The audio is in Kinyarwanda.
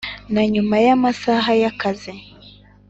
na nyuma y amasaha y akazi